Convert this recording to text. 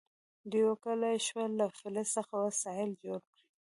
دوی وکولی شول له فلز څخه وسایل جوړ کړي.